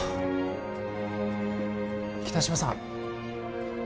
北芝さん